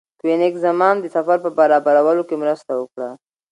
کوېنیګزمان د سفر په برابرولو کې مرسته وکړه.